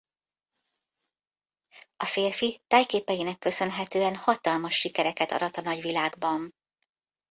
A férfi tájképeinek köszönhetően hatalmas sikereket arat a nagyvilágban.